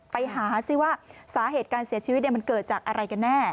ไปหาซิว่าสาเหตุการเสียชีวิตมันเกิดจากอะไรกันแน่